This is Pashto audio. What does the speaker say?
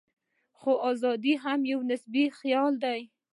خو ازادي هم یو نسبي خیال دی.